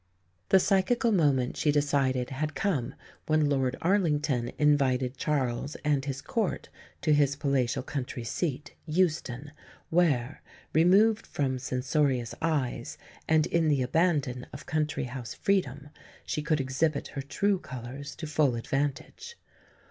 The psychical moment, she decided, had come when Lord Arlington invited Charles and his Court to his palatial country seat, Euston, where, removed from censorious eyes and in the abandon of country house freedom, she could exhibit her true colours to full advantage.